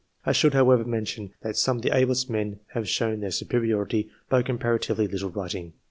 I should, however, mention that some of the ablest men have shown their superiority by comparatively little writing.